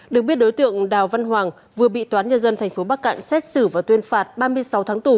được biết đối tượng đào văn hoàng vừa bị toán nhân dân tp bắc cạn xét xử và tuyên phạt ba mươi sáu tháng tù